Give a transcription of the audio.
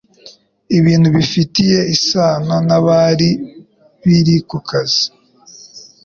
ibintu bifitanye isano nabari biri kukazi,